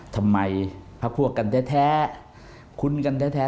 ทำไมพระครัวกันแท้คุ้นกันแท้